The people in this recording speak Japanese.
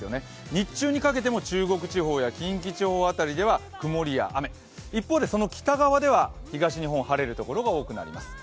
日中にかけても中国地方や近畿地方辺りでは曇りや雨、一方でその北側では東日本、晴れるところが多くなります。